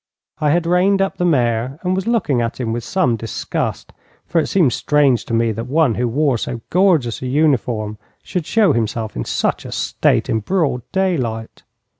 I had reined up the mare and was looking at him with some disgust, for it seemed strange to me that one who wore so gorgeous a uniform should show himself in such a state in broad daylight.